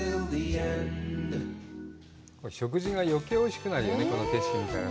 食事が余計おいしくなるよね、この景色を見たら。